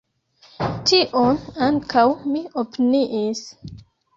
Tion ankaŭ mi opiniis.